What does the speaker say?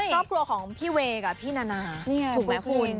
ครอบครัวของพี่เวย์กับพี่นานาถูกไหมคุณ